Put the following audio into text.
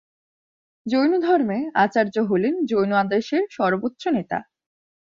জৈনধর্মে, আচার্য হলেন জৈন আদেশের সর্বোচ্চ নেতা।